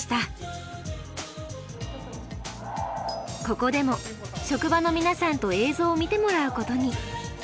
ここでも職場の皆さんと映像を見てもらうことに。